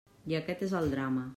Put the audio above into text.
I aquest és el drama.